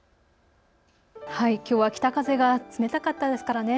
きょうは北風が冷たかったですからね。